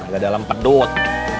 gak dalam pedut